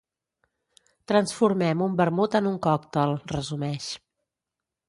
Transformem un vermut en un còctel, resumeix.